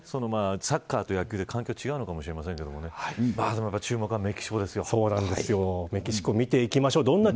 今回はサッカーと野球で環境は違うのかもしれませんがメキシコ見ていきましょう。